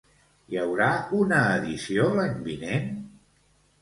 Hi haurà una edició l'any vinent?